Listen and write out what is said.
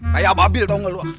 kayak ababil tau gak lo